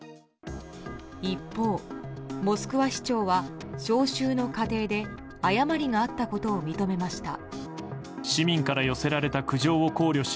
一方、モスクワ市長は招集の過程で誤りがあったことを認めました。